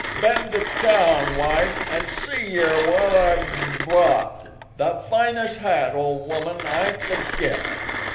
Ben to town, wife, an' see yer wat I've brought—the fines' hat, ole woman, I could git.